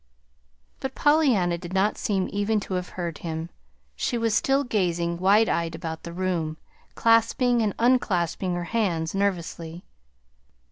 But Pollyanna did not seem even to have heard him. She was still gazing, wide eyed about the room, clasping and unclasping her hands nervously.